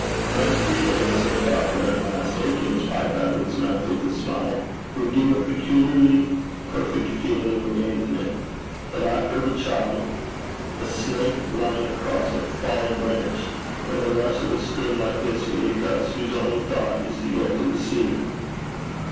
'There are three things,' said Falconer at last, taking his pipe out of his mouth with a smile, 'that give a peculiarly perfect feeling of abandonment: the laughter of a child; a snake lying across a fallen branch; and the rush of a stream like this beneath us, whose only thought is to get to the sea.'